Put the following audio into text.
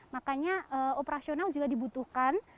makanya operasional juga dibutuhkan